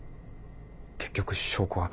結局証拠は。